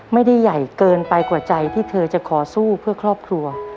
ไม่ได้ใหญ่เกินไปกว่าใจที่เธอจะขอสู้เพื่อครอบครัว